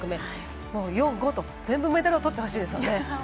もう、４、５と全部メダルをとってほしいですね。